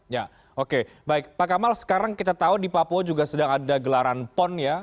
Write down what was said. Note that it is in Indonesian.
ya oke baik pak kamal sekarang kita tahu di papua juga sedang ada gelaran pon ya